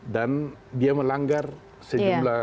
dan dia melanggar sejumlah